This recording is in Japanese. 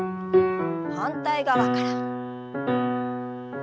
反対側から。